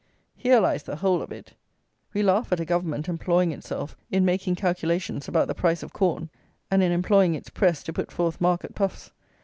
Here lies the whole of it. We laugh at a Government employing itself in making calculations about the price of corn, and in employing its press to put forth market puffs.